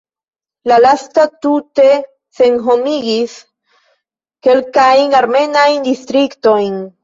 La lasta tute senhomigis kelkajn armenajn distriktojn.